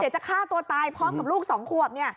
จะฆ่าตัวตายพร้อมกับลูก๒ขวบ